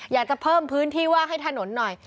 อยากจะเพิ่มพื้นที่ว่างให้ถนนหน่อย